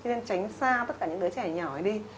cho nên tránh xa tất cả những đứa trẻ nhỏ đi